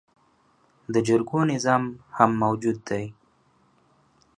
د جرګو نظام هم موجود دی